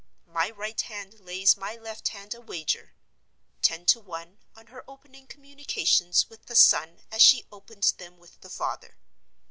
My right hand lays my left hand a wager. Ten to one, on her opening communications with the son as she opened them with the father.